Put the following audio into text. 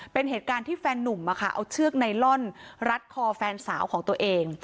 เป็นเหตุการณ์ที่แฟนนุ่มเอาเชือกไนลอนรัดคอแฟนสาวของตัวเอง